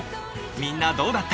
みんなどうだった？